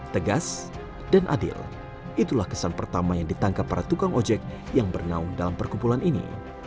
tegas dan adil itulah kesan pertama yang ditangkap para tukang ojek yang bernaung dalam perkumpulan ini